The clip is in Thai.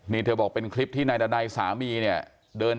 นี่เธอบอกเป็นคลิปที่นายดันัยสามีเนี่ยเดิน